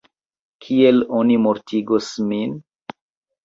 Kiel oni mortigos min?